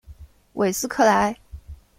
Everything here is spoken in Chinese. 韦斯克莱。